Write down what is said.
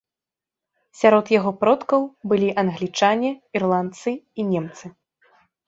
Сярод яго продкаў былі англічане, ірландцы і немцы.